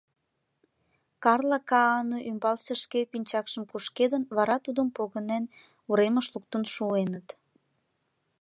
Карла Каану ӱмбалсе шке пинчакшым кушкедын, вара тудым погынен уремыш луктын шуэныт.